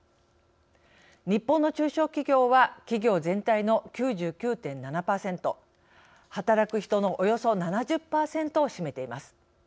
日本の中小企業は企業全体の９９．７％働く人のおよそ７０％を占めています。